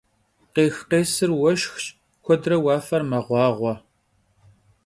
Khêx - khêsır vueşşxş, kuedre vuafer meğuağue.